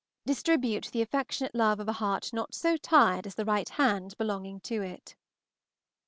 Distribute the affectionate love of a heart not so tired as the right hand belonging to it.